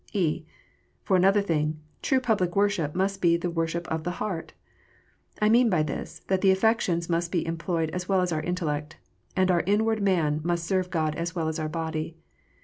(e) For another thing, true public worship must be the worship of the heart. I mean by this, that the affections must be employed as well as our intellect, and our inward man must serve God as well as our body.